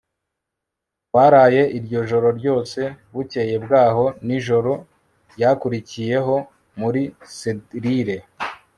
twaraye iryo joro ryose, bukeye bwaho, nijoro ryakurikiyeho muri selire